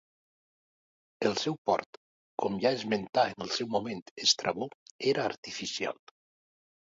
El seu port, com ja esmenta en el seu moment Estrabó, era artificial.